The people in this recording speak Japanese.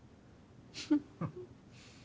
フフフ。